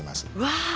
わあ！